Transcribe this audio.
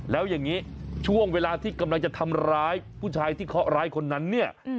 แล้วอย่างนี้ช่วงเวลาที่กำลังจะทำร้ายผู้ชายที่เคาะร้ายคนนั้นเนี่ย